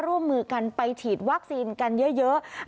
ร่วมมือกันไปฉีดวัคซีนกันเยอะ